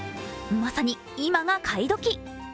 まさに今が買い時。